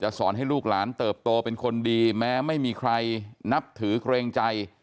สอนให้ลูกหลานเติบโตเป็นคนดีแม้ไม่มีใครนับถือเกรงใจ